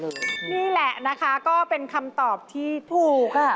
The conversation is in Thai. นี่แหละนะคะก็เป็นคำตอบที่ถูกค่ะ